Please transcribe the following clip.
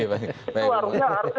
itu harusnya dental